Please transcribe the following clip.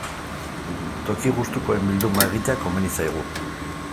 Toki gustukoen bilduma egitea komeni zaigu.